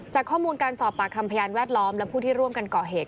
ข้อมูลการสอบปากคำพยานแวดล้อมและผู้ที่ร่วมกันก่อเหตุ